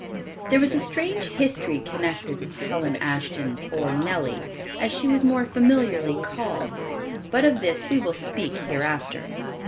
There was a strange history connected with Helen Ashton, or Nellie, as she was more familiarly called, but of this we will speak hereafter.